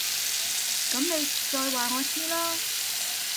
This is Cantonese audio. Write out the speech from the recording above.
噉你再話我知啦